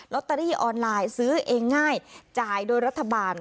ตเตอรี่ออนไลน์ซื้อเองง่ายจ่ายโดยรัฐบาล